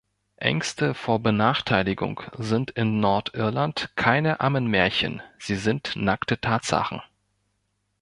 Ängste vor Benachteiligung sind in Nordirland keine Ammenmärchen, sie sind nackte Tatsachen.